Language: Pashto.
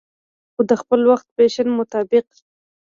خو دخپل وخت د فېشن مطابق